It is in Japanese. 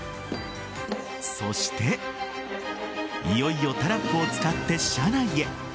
そして、いよいよタラップを使って車内へ。